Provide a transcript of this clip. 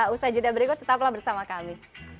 usaha jeda berikut tetaplah bersama kami